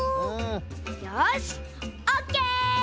よしオッケー！